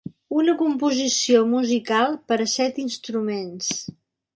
Una composició musical per a set instruments